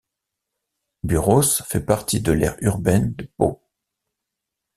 Buros fait partie de l'aire urbaine de Pau.